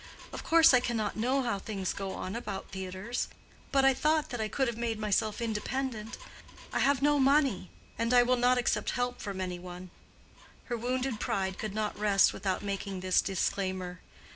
Of course I cannot know how things go on about theatres. But I thought that I could have made myself independent. I have no money, and I will not accept help from any one." Her wounded pride could not rest without making this disclaimer.